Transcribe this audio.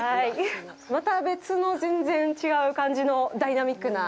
また別の全然違う感じのダイナミックな。